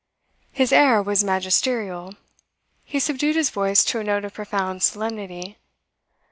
His air was magisterial; he subdued his voice to a note of profound solemnity.